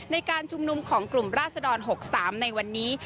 ในการชุมนุมของกลุ่มราศดร๖๓ในวันนี้